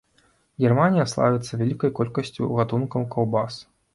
Германія славіцца вялікай колькасцю гатункаў каўбас.